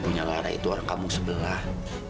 ibunya lara itu orang kamu sebelah